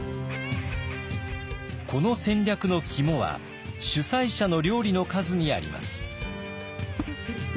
この戦略の肝は主催者の料理の数にあります。